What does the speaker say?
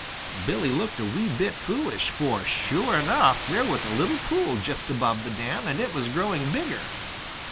Billy looked a wee bit foolish, for sure enough there was a little pool just above the dam, and it was growing bigger.